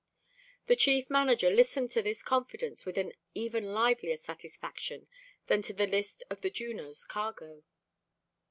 The Chief Manager listened to this confidence with an even livelier satisfaction than to the list of the Juno's cargo.